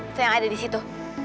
itu yang ada di situ